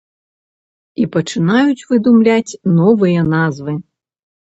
І пачынаюць выдумляць новыя назвы.